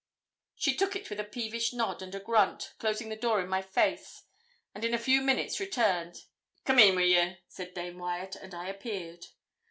She took it with a peevish nod and a grunt, closing the door in my face, and in a few minutes returned 'Come in wi' ye,' said Dame Wyat, and I appeared.